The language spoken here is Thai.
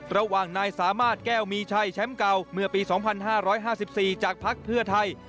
ระหว่างนายสามารถแก้วมีชัยแชมป์เก่าเมื่อปี๒๕๕๔จากพักเพื่อไทย